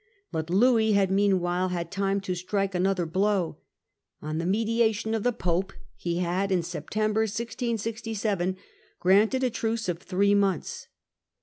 But Louis had meanwhile had time to strike another blow. On the mediation of the Pope he had, in Sep tember 1667, granted a truce of three months.